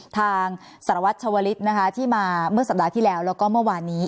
ทางสารวัตรชาวลิศนะคะที่มาเมื่อสัปดาห์ที่แล้วแล้วก็เมื่อวานนี้